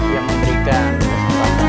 yang memberikan kesempatan kepada kami